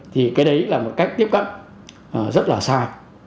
thì cái đấy là một cách tiếp cận rất là sai